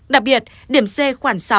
đặc biệt điểm c khoản sáu